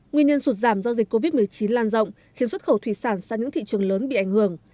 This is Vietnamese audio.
nguyên nhân sụt giảm do dịch covid một mươi chín lan rộng khiến xuất khẩu thủy sản sang những thị trường lớn bị ảnh hưởng